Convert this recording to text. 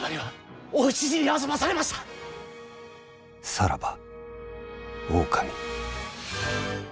さらば狼。